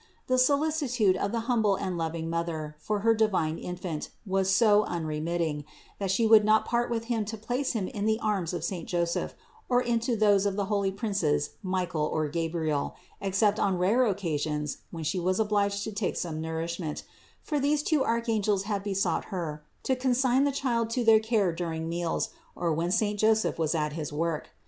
The solicitude of the humble and loving Mother for her divine Infant was so unremitting, that She would not part with Him to place Him in the arms of saint Joseph or into those of the holy princes Michael or Gabriel, except on rare occasions when She was obliged to take some nourishment; for these two archangels had besought Her, to consign the Child to their care during meals or when saint Joseph was at his work.